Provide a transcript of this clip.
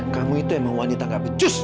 kamu itu emang wanita gak becus